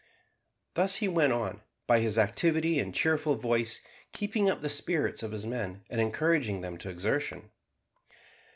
Thus he went on, by his activity and cheerful voice, keeping up the spirits of his men, and encouraging them to exertion.